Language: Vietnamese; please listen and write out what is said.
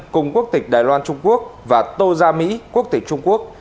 cùng quốc tịch đài loan trung quốc và tô gia mỹ quốc tịch trung quốc